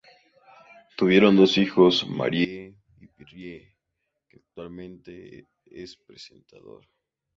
Tuvieron dos hijos, Marie y Pierre, que actualmente es presentador.